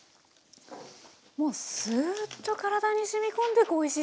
もうすっと体にしみ込んでくおいしさ。